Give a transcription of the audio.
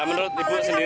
nah menurut ibu sendiri